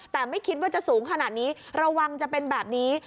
แต่ไม่คิดว่าจะสูงขนาดนี้ระวังจะเป็นแบบนี้